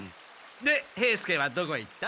で兵助はどこへ行った？